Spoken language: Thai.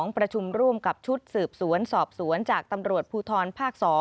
ประชุมร่วมกับชุดสืบสวนสอบสวนจากตำรวจภูทรภาค๒